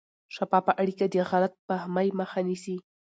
شفافه اړیکه د غلط فهمۍ مخه نیسي.